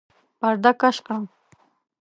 پرده کش کړه!